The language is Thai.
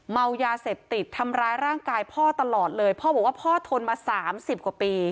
เมายาเสพติดทำร้ายร่างกายพ่อตลอดเลยพ่อบอกว่าพ่อทนมาสามสิบกว่าปี